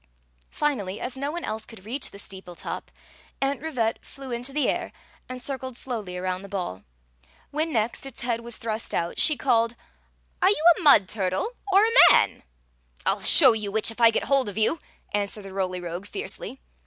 Finally, as no one else could reach the steeple top, Aunt Rivette flew into the air and circled slowly around the ball. When next its head was thrust out, she called: " Are you a mud turtle or a man ?"" I '11 show you which, if I get hold of you," an swered the Roly Rogue, fiercely.